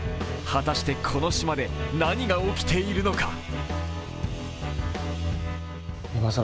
果たして、この島で何が起きているのか。